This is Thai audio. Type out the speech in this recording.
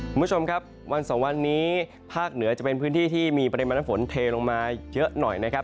คุณผู้ชมครับวันสองวันนี้ภาคเหนือจะเป็นพื้นที่ที่มีปริมาณน้ำฝนเทลงมาเยอะหน่อยนะครับ